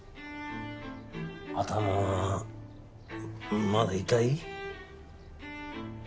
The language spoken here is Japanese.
頭はまだ痛い？